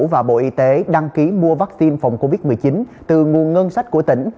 và bộ y tế đăng ký mua vaccine phòng covid một mươi chín từ nguồn ngân sách của tỉnh